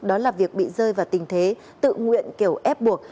đó là việc bị rơi vào tình thế tự nguyện kiểu ép buộc